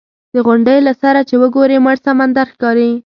د غونډۍ له سره چې وګورې مړ سمندر ښکاري.